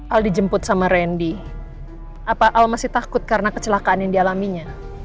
al dijemput sama randy al masih takut karena kecelakaan yang dialaminya